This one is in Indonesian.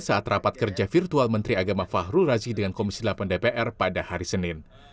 saat rapat kerja virtual menteri agama fahrul razi dengan komisi delapan dpr pada hari senin